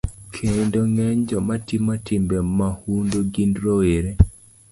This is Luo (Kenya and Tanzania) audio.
Kendo ng'eny joma timo timbe mahundu gin rowere.